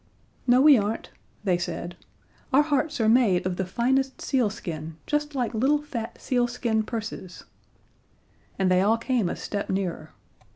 "No, we aren't," they said. "Our hearts are made of the finest sealskin, just like little fat sealskin purses " And they all came a step nearer.